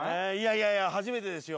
いやいや初めてですよ